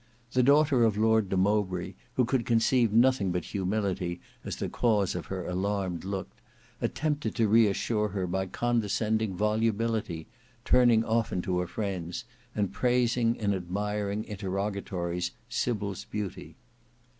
The daughter of Lord de Mowbray, who could conceive nothing but humility as the cause of her alarmed look, attempted to re assure her by condescending volubility, turning often to her friends and praising in admiring interrogatories Sybil's beauty.